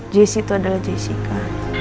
jesse itu adalah jessica